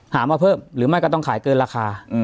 หามาเพิ่มหรือไม่ก็ต้องขายเกินราคา